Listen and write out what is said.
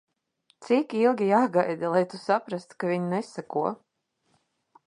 Cik ilgi jāgaida, lai tu saprastu, ka viņi neseko?